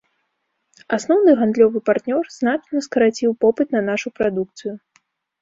Асноўны гандлёвы партнёр значна скараціў попыт на нашу прадукцыю.